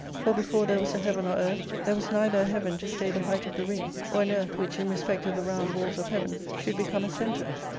For, before there was a heaven or earth, there was neither a heaven to stay the height of the ring, or an earth which, in respect of the round walls of heaven, should become a centre.